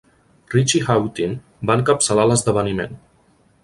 Richie Hawtin va encapçalar l'esdeveniment.